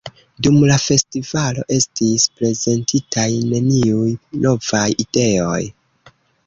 Dum la festivalo estis prezentitaj neniuj novaj ideoj.